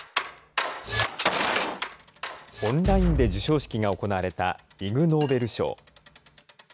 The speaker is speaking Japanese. オンラインで授賞式が行われた、イグ・ノーベル賞。